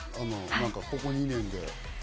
ここ２年で。